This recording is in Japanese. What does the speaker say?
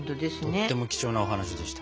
とっても貴重なお話でした。